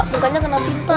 mukanya kena pinta